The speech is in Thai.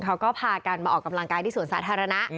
เขาก็พากันมาออกกำลังกายที่สวนสาธารณะ